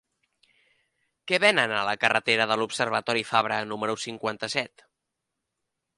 Què venen a la carretera de l'Observatori Fabra número cinquanta-set?